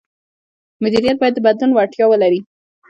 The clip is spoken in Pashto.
مدیریت باید د بدلون وړتیا ولري.